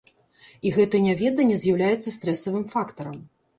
І гэта няведанне з'яўляецца стрэсавым фактарам.